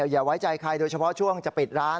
อย่าไว้ใจใครโดยเฉพาะช่วงจะปิดร้าน